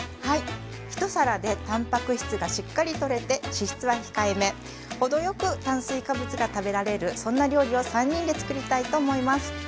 はい一皿でたんぱく質がしっかりとれて脂質は控えめ程よく炭水化物が食べられるそんな料理を３人で作りたいと思います！